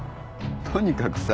とにかくさ